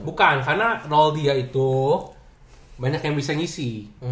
bukan karena nol dia itu banyak yang bisa ngisi